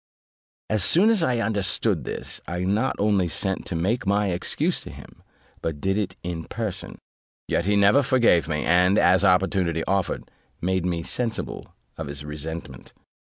As soon as I understood this, I not only sent to make my excuse to him, but did it in person: yet he never forgave me, and, as opportunity offered, made me sensible of his resentment.